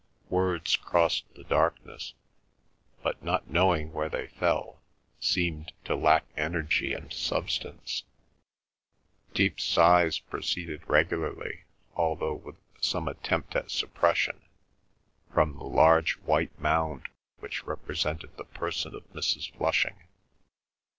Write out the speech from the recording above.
Words crossed the darkness, but, not knowing where they fell, seemed to lack energy and substance. Deep sighs proceeded regularly, although with some attempt at suppression, from the large white mound which represented the person of Mrs. Flushing.